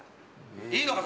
いいのか？